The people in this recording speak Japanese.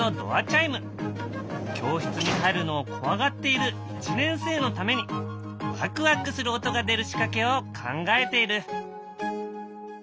教室に入るのを怖がっている１年生のためにワクワクする音が出る仕掛けを考えている。